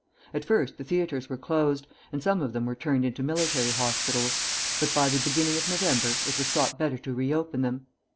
At first the theatres were closed, and some of them were turned into military hospitals; but by the beginning of November it was thought better to reopen them.